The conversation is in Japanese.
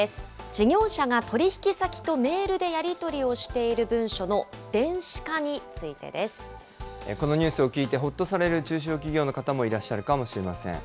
事業者が取り引き先とメールでやり取りをしている文書の電子化にこのニュースを聞いて、ほっとされる中小企業の方もいらっしゃるかもしれません。